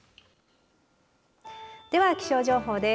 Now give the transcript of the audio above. では気象情報です。